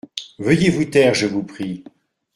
Veuillez vous taire, je vous prie.